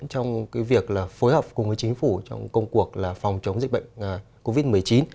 trong việc phối hợp cùng với chính phủ trong công cuộc là phòng chống dịch bệnh covid một mươi chín